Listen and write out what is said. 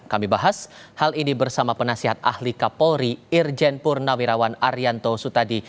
kami bahas hal ini bersama penasihat ahli kapolri irjen purnawirawan arianto sutadi